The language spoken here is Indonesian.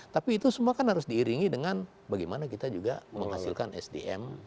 tapi itu semua kan harus diiringi dengan bagaimana kita juga menghasilkan sdm